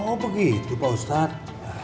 oh begitu pak ustadz